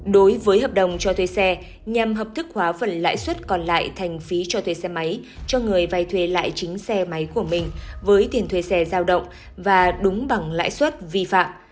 đối với hợp đồng cho thuê xe nhằm hợp thức hóa phần lãi suất còn lại thành phí cho thuê xe máy cho người vay thuê lại chính xe máy của mình với tiền thuê xe giao động và đúng bằng lãi suất vi phạm